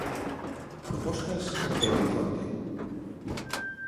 Propostas e horizonte.